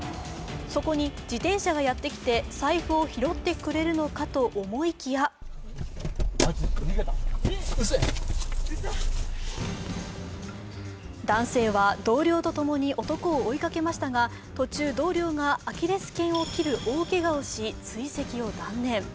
そこに、自転車がやってきて財布を拾ってくれるのかと思いきや男性は同僚とともに男を追いかけましたが途中、同僚がアキレスけんを切る大けがをし、追跡を断念。